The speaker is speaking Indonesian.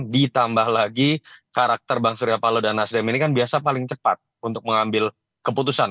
ditambah lagi karakter bang surya paloh dan nasdem ini kan biasa paling cepat untuk mengambil keputusan